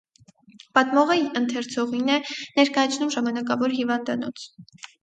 Պատմողը ընթերցողին է ներկայացնում ժամանակավոր հիվանդանոց։